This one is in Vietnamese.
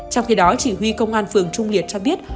trong khi đó chỉ huy công an phường trung liệt cho biết